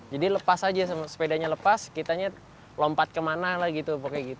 jadi lepas aja sepedanya lepas kitanya lompat kemana lah gitu